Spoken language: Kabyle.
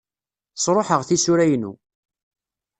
Sṛuḥeɣ tisura-inu.